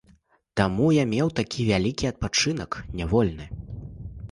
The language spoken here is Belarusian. Таму я меў такі вялікі адпачынак нявольны.